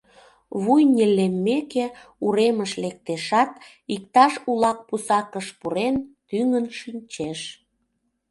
Вуй нелеммеке, уремыш лектешат, иктаж улак пусакыш пурен, тӱҥын шинчеш.